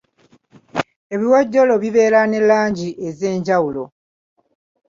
Ebiwojjolo bibeera ne langi ez'enjawulo.